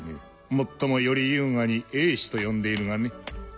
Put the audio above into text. もっともより優雅に衛士と呼んでいるがね。